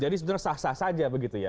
jadi sebenarnya sah sah saja begitu ya